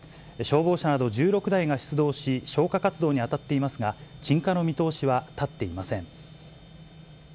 消防車など１６台が出動し、消火活動に当たっていますが、鎮火の見通しは立っていません。